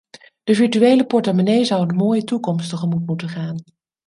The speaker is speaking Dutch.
De virtuele portemonnee zou een mooie toekomst tegemoet moeten gaan.